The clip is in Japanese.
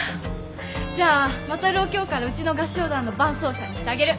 じゃあ航を今日からうちの合唱団の伴奏者にしてあげる。